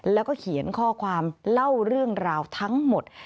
แล้วก็เขียนข้อความเล่าเรื่องราวทั้งหมด